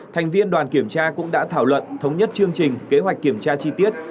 thành viên đoàn kiểm tra cũng đã thảo luận thống nhất chương trình kế hoạch kiểm tra chi tiết